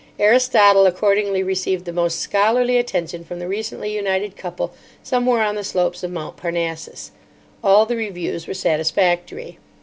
Aristotle, accordingly, received the most scholarly attention from the recently united couple somewhere on the slopes of Mount Parnassus. All the reviews were satisfactory.